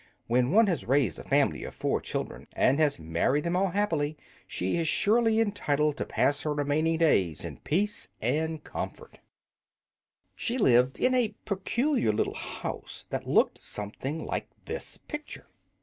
When one has raised a family of four children and has married them all happily, she is surely entitled to pass her remaining days in peace and comfort." She lived in a peculiar little house, that looked something like this picture.